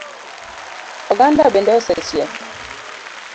Oganda bende osechiek?